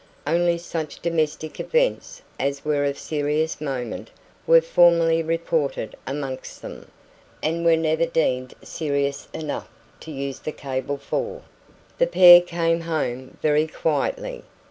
Only such domestic events as were of serious moment were formally reported amongst them, and were never deemed serious enough to use the cable for. The pair came home very quietly.